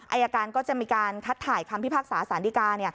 อายการก็จะมีการทัดถ่ายคำพิพากษาสารดีกา